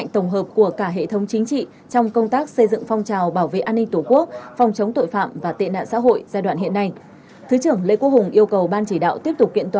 từng học trung trường cấp ba với thượng úy đỗ đức việt